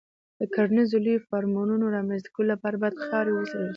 د کرنیزو لویو فارمونو رامنځته کولو لپاره باید خاوره وڅېړل شي.